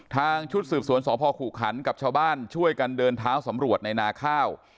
ชุดสืบสวนสพขู่ขันกับชาวบ้านช่วยกันเดินเท้าสำรวจในนาข้าว